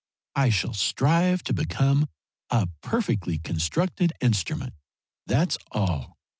I shall strive to become a perfectly constructed instrument that's all.